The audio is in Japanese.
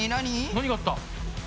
何があった？